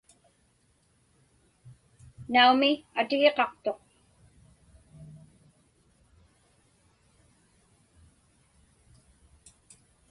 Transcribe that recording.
Naumi, atigiqaqtuq.